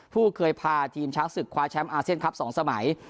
ผู้เคยพาทีมช้างศึกคว้าแชมป์อาเซียนคลับ๒สมัย